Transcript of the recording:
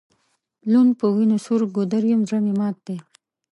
لوند په وینو سور ګودر یم زړه مي مات دی